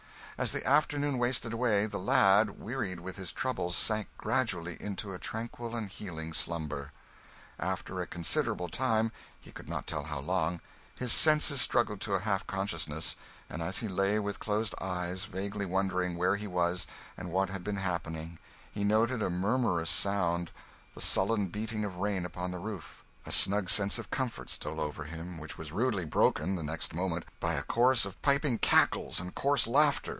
As the afternoon wasted away, the lad, wearied with his troubles, sank gradually into a tranquil and healing slumber. After a considerable time he could not tell how long his senses struggled to a half consciousness, and as he lay with closed eyes vaguely wondering where he was and what had been happening, he noted a murmurous sound, the sullen beating of rain upon the roof. A snug sense of comfort stole over him, which was rudely broken, the next moment, by a chorus of piping cackles and coarse laughter.